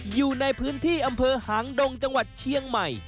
อยู่ในพื้นที่อำเภอหางดงจังหวัดเชียงใหม่